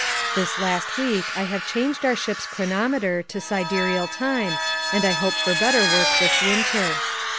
This last week I have changed our ship's chronometer to siderial time and I hope for better work this winter.